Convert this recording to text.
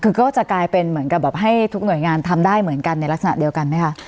คือก็จะกลายเป็นเหมือนกับแบบให้ทุกหน่วยงานทำได้เหมือนกันในลักษณะเดียวกันไหมคะ